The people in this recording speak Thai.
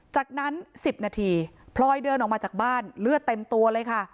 จากนั้น๑๐นาทีพลอยเดินออกมาจากบ้านเลือดเต็มตัวเลยค่ะ